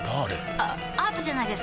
あアートじゃないですか？